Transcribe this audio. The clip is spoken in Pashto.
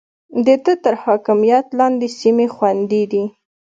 د ده تر حاکميت لاندې سيمې خوندي دي.